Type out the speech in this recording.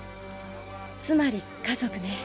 つまり家族ね。